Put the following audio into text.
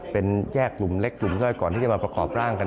เป็นแยกกลุ่มเล็กกลุ่มย่อยก่อนที่จะมาประกอบร่างกัน